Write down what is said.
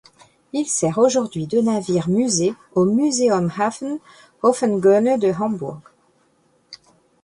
Il sert aujourd'hui de navire musée au Museumshafen Oevelgönne de Hambourg.